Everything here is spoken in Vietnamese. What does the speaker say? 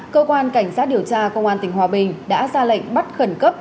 cơ quan cảnh sát điều tra công an tỉnh hòa bình đã ra lệnh bắt khẩn cấp